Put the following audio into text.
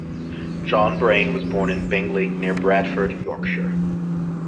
John Braine was born in Bingley, near Bradford, Yorkshire.